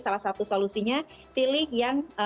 salah satu solusinya pilih yang